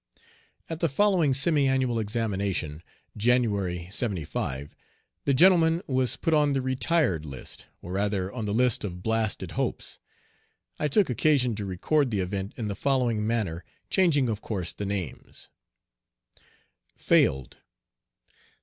At the following semi annual examination (January, '75), the gentleman was put on the "retired list," or rather on the list of "blasted hopes." I took occasion to record the event in the following manner, changing of course the names: FAILED.